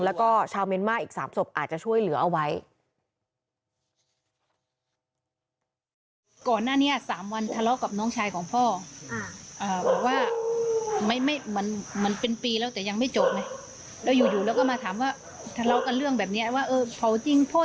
แล้วก็ชาวเมียนมาร์อีก๓ศพอาจจะช่วยเหลือเอาไว้